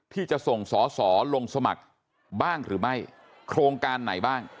ที่จะส่งสอสอลงสมัครบ้างหรือไม่โครงการไหนบ้าง